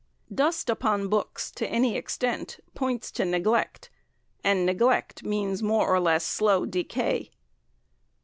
DUST upon Books to any extent points to neglect, and neglect means more or less slow Decay.